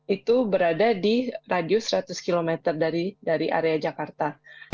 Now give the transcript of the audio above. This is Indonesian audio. itu berada di radius seratus km dari area jakarta